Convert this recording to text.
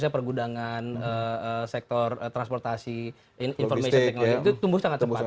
pergudangan sektor transportasi information technology itu tumbuh sangat cepat